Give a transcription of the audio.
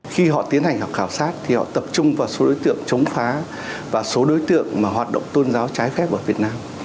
khi họ tiến hành khảo sát thì họ tập trung vào số đối tượng chống phá và số đối tượng mà hoạt động tôn giáo trái phép ở việt nam